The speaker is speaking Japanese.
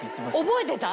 覚えてた？